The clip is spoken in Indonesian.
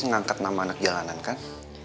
ngangkat nama anak jalanan kan